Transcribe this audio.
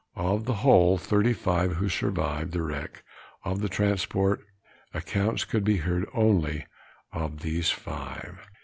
Of the whole 35 who survived the wreck of the transport, accounts could be heard only of these five.